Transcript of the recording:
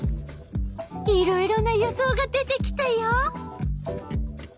いろいろな予想が出てきたよ。